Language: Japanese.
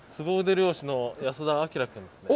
漁師の保田亮君ですね。